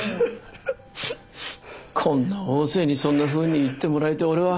こんな大勢にそんなふうに言ってもらえて俺は。